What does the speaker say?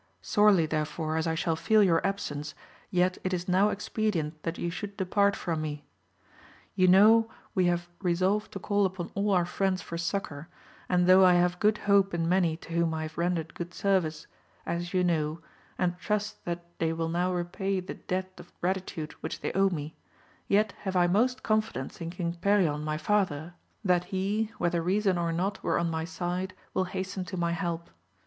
Sorely therefore as I shall feel your absence, yet it is now expedient that you should depart from me. You know we have re 92 AMADIS OF GAUL. solved to call upon all our friends for succour, and though I have good hope in many to whom I have rendered good service, as you know, and trust that they will now repay the debt of gratitude which they owe me, yet have I most confidence in Bang Perioii my father, that he, whether reason or not were on my side, will hasten to my help.